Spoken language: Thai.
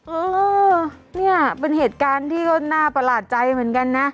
เออเนี่ยเป็นเหตุการณ์ที่ก็น่าประหลาดใจเหมือนกันนะ